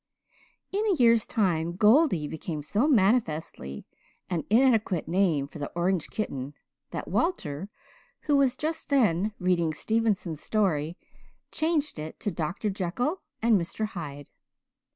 In a year's time "Goldie" became so manifestly an inadequate name for the orange kitten that Walter, who was just then reading Stevenson's story, changed it to Dr. Jekyll and Mr. Hyde.